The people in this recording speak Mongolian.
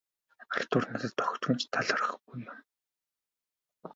Артур надад огтхон ч талархахгүй юм.